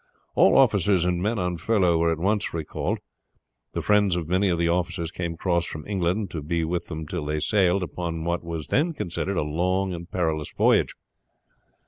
All officers and men on furlough were at once recalled. The friends of many of the officers came across from England, to be with them till they sailed upon what was then considered a long and perilous voyage.